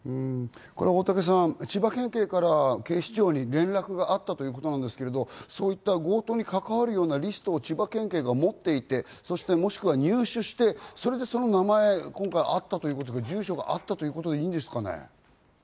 大竹さん、千葉県警から警視庁に連絡があったということですが、そういった強盗に関わるようなリストを千葉県警が持っていて、もしくは入手して、その名前があったということで住所があったということでいいんですかね？